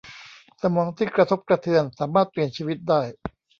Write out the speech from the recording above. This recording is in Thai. สมองที่กระทบกระเทือนสามารถเปลี่ยนชีวิตได้